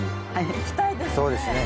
行きたいですね。